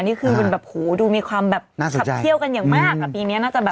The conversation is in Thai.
นี่คือดูมีความขับเที่ยวกันอย่างมากปีนี้น่าจะแบบ